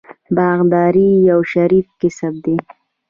باغداري یو شریف کسب دی.